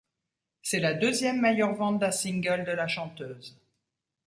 C'est la deuxième meilleure vente d'un single de la chanteuse.